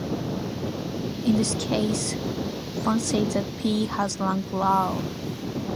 In this case one says that "P" has rank "r".